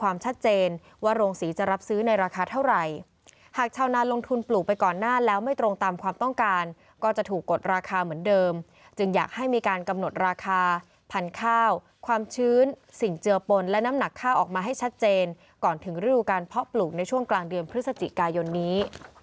ชัดเจนว่าโรงสีจะรับซื้อในราคาเท่าไหร่หากชาวนานลงทุนปลูกไปก่อนหน้าแล้วไม่ตรงตามความต้องการก็จะถูกกดราคาเหมือนเดิมจึงอยากให้มีการกำหนดราคาพันธุ์ข้าวความชื้นสิ่งเจือปนและน้ำหนักข้าวออกมาให้ชัดเจนก่อนถึงฤดูการเพาะปลูกในช่วงกลางเดือนพฤศจิกายนนี้